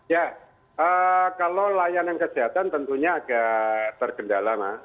ya kalau layanan kesehatan tentunya agak tergendala mas